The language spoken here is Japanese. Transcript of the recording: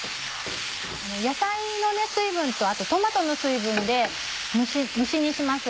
野菜の水分とあとトマトの水分で蒸し煮します。